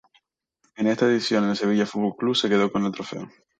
En esta edición el Sevilla Fútbol Club se quedó con el trofeo.